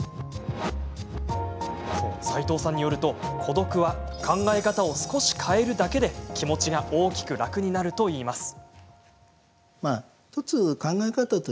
齋藤さんによると孤独は考え方を少し変えるだけで気持ちが大きく楽になるといいます。